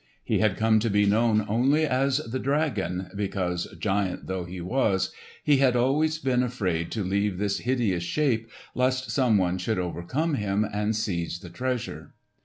He had come to be known only as the dragon, because—giant though he was—he had always been afraid to leave this hideous shape lest someone should overcome him and seize the treasure.